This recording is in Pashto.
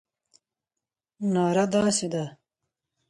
ناره داسې ده.